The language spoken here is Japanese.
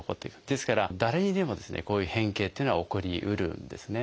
ですから誰にでもですねこういう変形っていうのは起こりうるんですね。